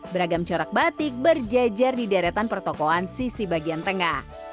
beragam corak batik berjejer di deretan pertokoan sisi bagian tengah